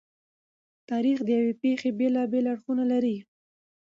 تاریخ د یوې پېښې بېلابېلې اړخونه لري.